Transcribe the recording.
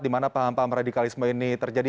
di mana paham paham radikalisme ini terjadi